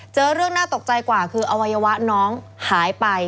เจอเรื่องน่าตกใจกว่าคืออวัยวะน้องหายไป